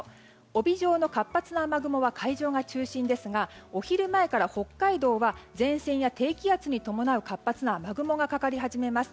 帯状の活発な雨雲は海上が中心ですがお昼前から北海道は活発な雨雲がかかり始めます。